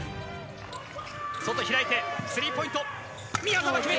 外、開いて、スリーポイント！